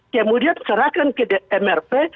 kemudian diserahkan ke mrp